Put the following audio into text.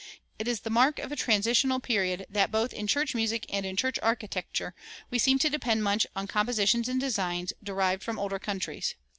It is the mark of a transitional period that both in church music and in church architecture we seem to depend much on compositions and designs derived from older countries.